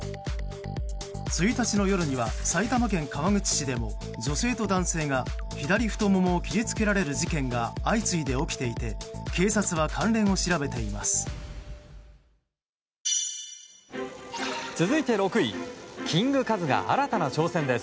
１日の夜には埼玉県川口市でも女性と男性が左太ももを切りつけられる事件が相次いで起きていて警察は関連を調べています。